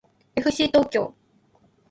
えふしー東京